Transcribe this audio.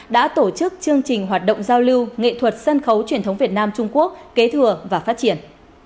đã tổ chức chương trình hoạt động giao lưu nghệ thuật sân khấu truyền thống việt nam trung quốc kế thừa và phát triển